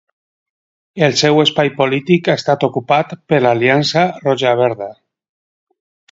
El seu espai polític ha estat ocupat per l'Aliança Roja-Verda.